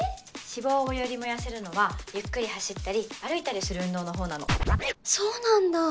脂肪をより燃やせるのはゆっくり走ったり歩いたりする運動の方なのそうなんだ